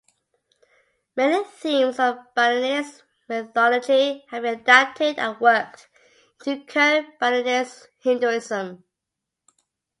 Many themes of Balinese mythology have been adapted and worked into current Balinese Hinduism.